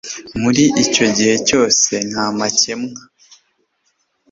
muri icyo gihe cyose nta makemwa